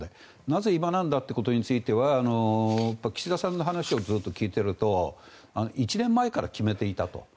なぜ今なんだということについては岸田さんの話をずっと聞いていると１年前から決めていたと。